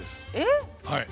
はい。